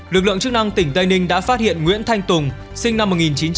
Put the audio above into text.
lực lượng chức năng tỉnh tây ninh đã phát hiện nguyễn thanh tùng sinh năm một nghìn chín trăm tám mươi